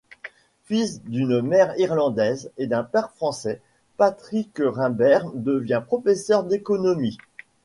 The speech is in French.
Fils d'une mère irlandaise et d'un père français, Patrick Rimbert devient professeur d'économie.